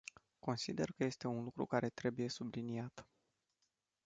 Consider că este un lucru care trebuie subliniat.